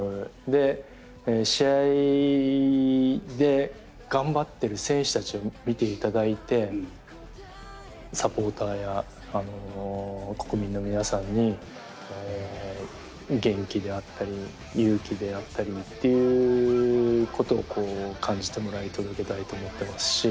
で試合で頑張ってる選手たちを見ていただいてサポーターや国民の皆さんに元気であったり勇気であったりっていうことを感じてもらい届けたいと思ってますし。